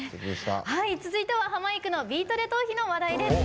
続いてはハマいくの「ビートＤＥトーヒ」の話題です。